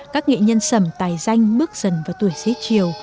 các nghệ nhân sầm tài danh bước dần vào tuổi xế chiều